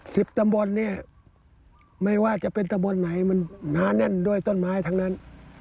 สิบตำบลเนี่ยไม่ว่าจะเป็นตำบลไหนมันหนาแน่นด้วยต้นไม้ทั้งนั้น